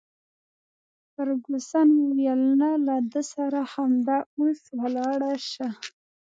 فرګوسن وویل: نه، له ده سره همدا اوس ولاړه شه.